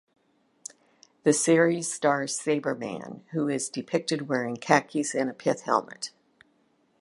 The series stars Sabreman, who is depicted wearing khakis and a pith helmet.